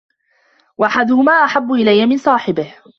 وَأَحَدُهُمَا أَحَبُّ إلَيَّ مِنْ صَاحِبِهِ